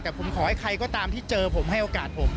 แต่ผมขอให้ใครก็ตามที่เจอผมให้โอกาสผม